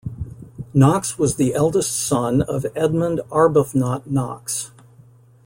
Knox was the eldest son of Edmund Arbuthnott Knox.